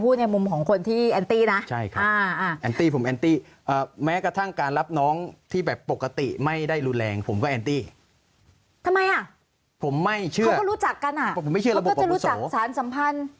ผมไม่เชื่อเขาก็รู้จักกันย่ะเขาก็รู้จักสารสัมพันธ์